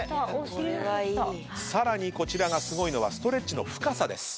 さらにこちらがすごいのはストレッチの深さです。